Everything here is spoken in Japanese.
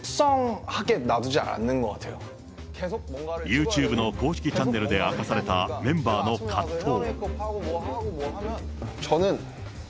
ユーチューブの公式チャンネルで明かされたメンバーの葛藤。